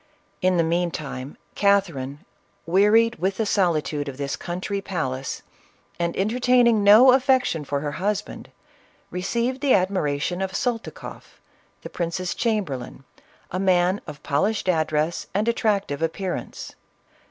. In the meantime Catherine, wearied with the solitude of this country palace and entertaining no affection for her husband, received the admiration of Soltikoff, the prince's chamberlain, a man of polished address and attractive appearance.